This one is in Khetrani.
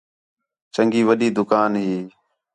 چنڳی وݙی دُکان ہی